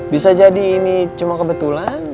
bisa jadi ini cuma kebetulan